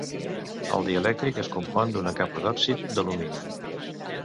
El dielèctric es compon d'una capa d'òxid d'alumini.